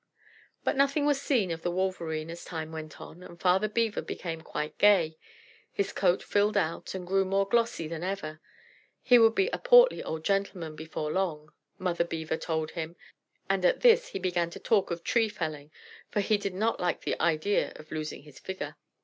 But nothing was seen of the Wolverene as time went on, and Father Beaver became quite gay. His coat filled out, and grew more glossy than ever; he would be "a portly old gentleman" before long, Mother Beaver told him; and at this he began to talk of tree felling, for he did not like the idea of losing his figure.